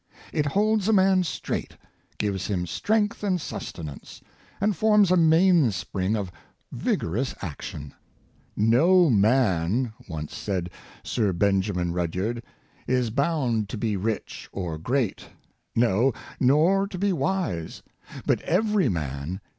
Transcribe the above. It holds a man straight, gives him strength and sustenance, and forms a mainspring of vigorous action. "No man," once said Sir Benjamin Rudyard, " is bound to be rich or great — no, nor to be wise; but every mai?